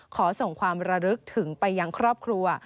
ขอส่งความระลึกถึงไปยังครอบครัว